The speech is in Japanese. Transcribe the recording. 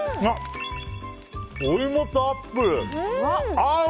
お芋とアップル、合う！